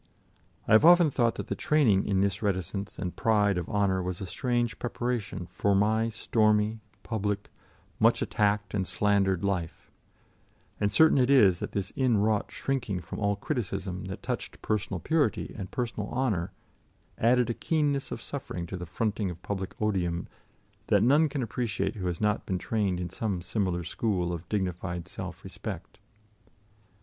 I have often thought that the training in this reticence and pride of honour was a strange preparation for my stormy, public, much attacked and slandered life; and certain it is that this inwrought shrinking from all criticism that touched personal purity and personal honour added a keenness of suffering to the fronting of public odium that none can appreciate who has not been trained in some similar school of dignified self respect.